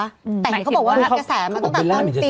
แต่เขาบอกว่ากระแสมันต้องตั้งตี